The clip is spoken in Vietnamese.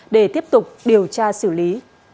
để tiếp tục điều tra xử lý